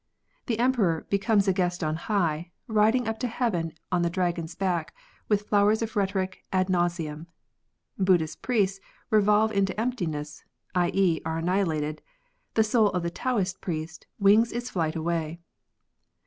The Emperor hecomes a guest on high, riding up to heaven on tlie draofon's back, with flowers of rhetoric ad nauseam; Buddhist priests revolve into emptiness^ i.e., are annihilated; the soul of the Taoist priest ivings its flight avmy.